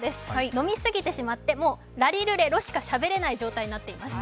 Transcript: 飲みすぎてしまって、ラリルレロしかしゃべれない状態になっています。